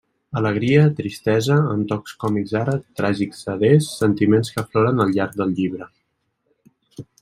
Alegria, tristesa, amb tocs còmics ara, tràgics adés, sentiments que afloren al llarg del llibre.